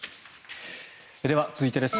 では、続いてです。